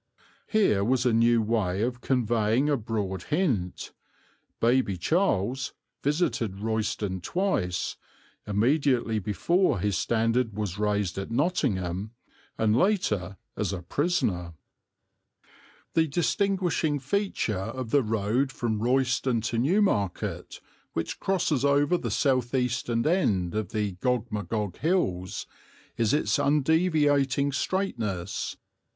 Here was a new way of conveying a broad hint. "Baby Charles" visited Royston twice, immediately before his standard was raised at Nottingham, and later as a prisoner. The distinguishing feature of the road from Royston to Newmarket, which crosses over the south eastern end of the Gog Magog Hills, is its undeviating straightness.